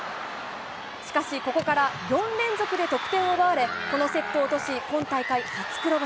しかしここから、４連続で得点を奪われ、このセットを落とし、今大会初黒星。